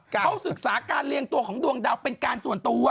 เขาศึกษาการเรียงตัวของดวงดาวเป็นการส่วนตัว